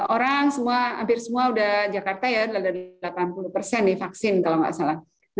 orang hampir semua sudah jakarta delapan puluh persen vaksin kalau tidak salah